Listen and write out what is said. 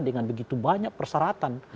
dengan begitu banyak perseratan